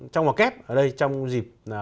trong họ kép ở đây trong dịp